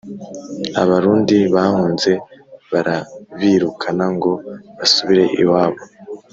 abarundi bahunze barabirukana ngo basubire iwabo